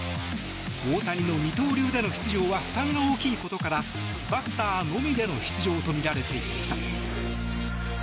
大谷の二刀流での出場は負担が大きいことからバッターのみでの出場とみられていました。